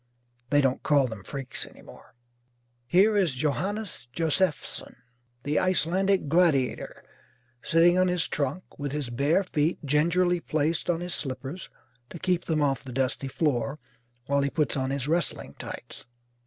(They don't call them Freaks any more.) Here is Johannes Joseffson, the Icelandic Gladiator, sitting on his trunk, with his bare feet gingerly placed on his slippers to keep them off the dusty floor while he puts on his wrestling tights.